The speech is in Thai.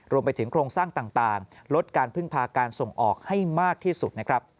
รวมไปถึงโครงสร้างต่างลดการพึ่งพาการส่งออกให้มากที่สุดนะครับ